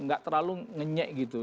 gak terlalu ngenyek gitu